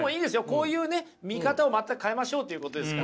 こういうね見方を全く変えましょうということですから。